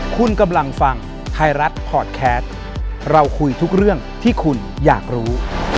คุณกำลังฟังไทยรัฐพอร์ตแคสต์เราคุยทุกเรื่องที่คุณอยากรู้